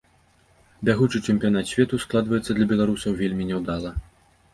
Бягучы чэмпіянат свету складваецца для беларусаў вельмі няўдала.